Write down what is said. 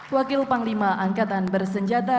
wakil panglima angkatan bersenjata